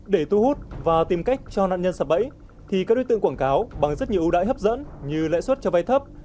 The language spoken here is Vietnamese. để tu hút và tìm cách cho nạn nhân sập bẫy thì các đối tượng quảng cáo bằng rất nhiều ưu đãi hấp dẫn như lãi suất cho vay thấp